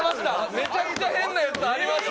めちゃくちゃ変なやつありました